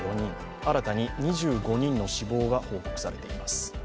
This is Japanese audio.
新たに２５人の死亡が報告されています。